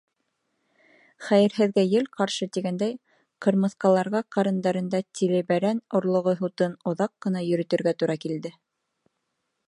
Хәйерһеҙгә ел ҡаршы тигәндәй, ҡырмыҫҡаларға ҡарындарында тилебәрән орлоғо һутын оҙаҡ ҡына йөрөтөргә тура килде.